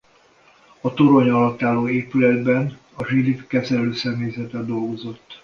A torony alatt álló épületben a zsilip kezelőszemélyzete dolgozott.